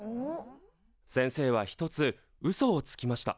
先生は一つうそをつきました。